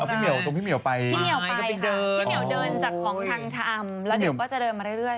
พี่เมียวไปค่ะพี่เมียวเดินจากของทางชะอำแล้วเดี๋ยวก็จะเดินมาเรื่อย